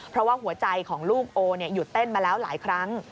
เพราะว่าหัวใจของลูกโอหยุดเต้นมาแล้วหลายครั้ง